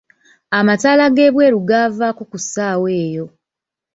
Amataala g'ebweru gaavako ku ssaawa eyo.